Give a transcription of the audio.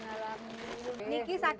masuk masuk masuk